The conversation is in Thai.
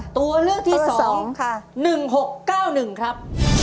ตัวเลือกที่๒๑๖๙๑ครับ